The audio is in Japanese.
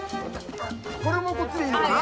これもこっちでいいのかな？